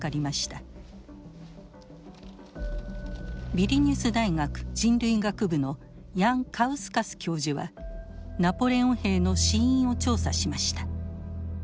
ビリニュス大学人類学部のヤンカウスカス教授はナポレオン兵の死因を調査しました。